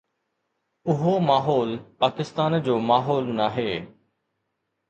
اهو ماحول پاڪستان جو ماحول ناهي.